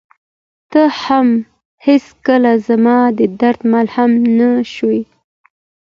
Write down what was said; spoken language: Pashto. ته هم هېڅکله زما د درد مرهم نه شوې.